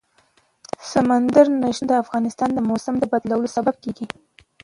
سمندر نه شتون د افغانستان د موسم د بدلون سبب کېږي.